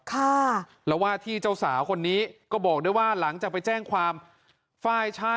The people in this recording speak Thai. ค่ะแล้วว่าที่เจ้าสาวคนนี้ก็บอกด้วยว่าหลังจากไปแจ้งความฝ่ายชาย